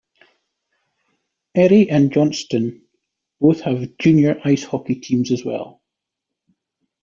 Erie and Johnstown both have junior ice hockey teams as well.